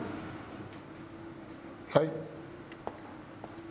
はい。